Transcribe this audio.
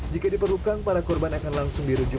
jika diperlukan para korban akan langsung dirujuk